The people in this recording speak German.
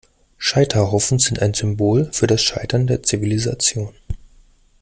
Scheiterhaufen sind ein Symbol für das Scheitern der Zivilisation.